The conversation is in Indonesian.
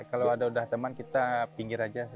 kalau ada udah teman kita pinggir aja